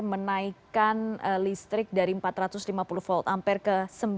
menaikkan listrik dari empat ratus lima puluh volt ampere ke sembilan ratus